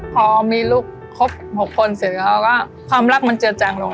พอมีลูกครบ๖คนเสร็จเขาก็ความรักมันเจือจังลง